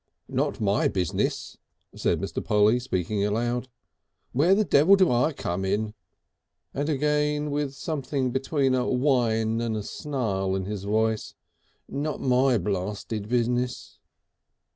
"Not my business," said Mr. Polly, speaking aloud. "Where the devil do I come in?" And again, with something between a whine and a snarl in his voice, "not my blasted business!"